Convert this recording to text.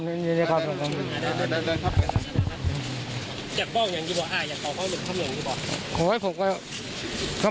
เครื่องตรงนี้เลยครับ